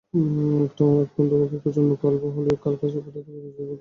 একটু অন্তর্মুখী কোচের মুখে অল্প হলেও কাল হাসি ফোটাতে পেরেছেন ফুটবলাররা।